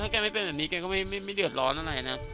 ถ้าแกไม่เป็นแบบนี้ก็ไม่เดียวร้อนอะไรนะ